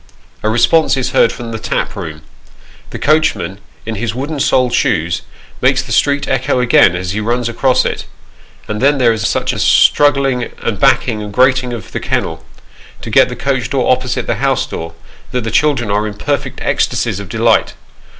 A response is heard from the tap room ; the coachman, in his wooden soled shoes, makes the street echo again as he runs across it ; and then there is such a struggling, and backing, and grating of the kennel, to get the coach door opposite the house door, that the children are in perfect ecstasies of delight.